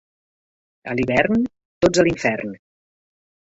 A l'hivern, tots a l'infern.